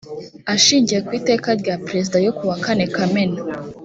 ashingiye ku iteka rya perezida ryokuwa kane kamena